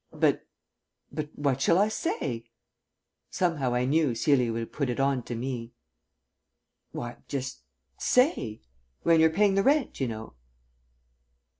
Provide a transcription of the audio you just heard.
"But but what shall I say?" Somehow I knew Celia would put it on to me. "Why, just say. When you're paying the rent, you know."